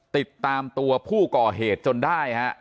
ติดตามตัวผู้ก่อเหตุจนได้ฮะ